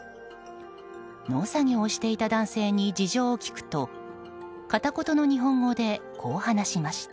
農作業をしていた男性に事情を聴くと片言の日本語でこう話しました。